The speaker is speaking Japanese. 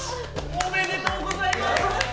おめでとうございます！